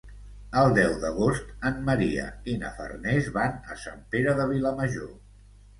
El deu d'agost en Maria i na Farners van a Sant Pere de Vilamajor.